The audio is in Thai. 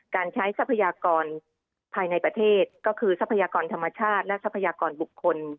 การใช้ทรัพยากรภายในประเทศก็คือทรัพยากรธรรมชาติและทรัพยากรบุคคล